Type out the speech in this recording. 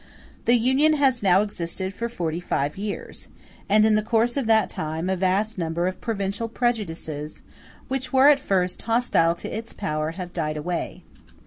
The Union has now existed for forty five years, and in the course of that time a vast number of provincial prejudices, which were at first hostile to its power, have died away.